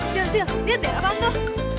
sil sil liat deh apaan tuh